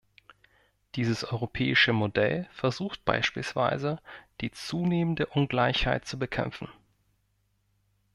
Dieses europäische Modell versucht beispielsweise, die zunehmende Ungleichheit zu bekämpfen.